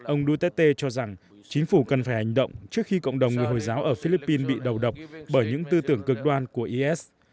ông duterte cho rằng chính phủ cần phải hành động trước khi cộng đồng người hồi giáo ở philippines bị đầu độc bởi những tư tưởng cực đoan của is